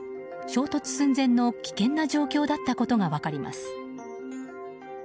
衝突寸前の危険な状況だったことが分かります。